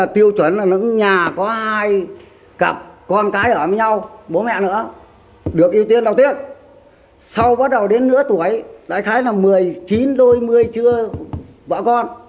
tiêu chuẩn là nhà có hai cặp con cái ở với nhau bố mẹ nữa được ưu tiên đầu tiên sau bắt đầu đến nửa tuổi đã thấy là một mươi chín đôi mươi chưa bỏ con